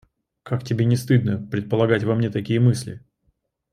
Как тебе не стыдно предполагать во мне такие мысли!